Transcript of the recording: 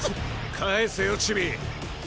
返せよチビ！